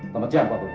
selamat siang pak bu